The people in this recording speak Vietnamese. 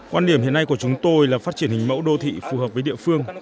quan điểm hiện nay của chúng tôi là phát triển hình mẫu đô thị phù hợp với địa phương